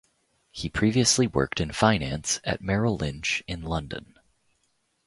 He previously worked in finance at Merrill Lynch in London.